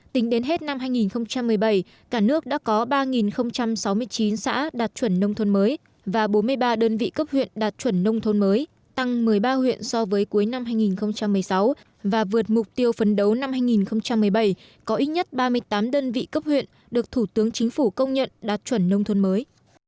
tính đến hết năm hai nghìn một mươi bảy cả nước đã có ba sáu mươi chín xã đạt chuẩn nông thôn mới và bốn mươi ba đơn vị cấp huyện đạt chuẩn nông thôn mới tăng một mươi ba huyện so với cuối năm hai nghìn một mươi sáu và vượt mục tiêu phấn đấu năm hai nghìn một mươi bảy có ít nhất ba mươi tám đơn vị cấp huyện được thủ tướng chính phủ công nhận đạt chuẩn nông thôn mới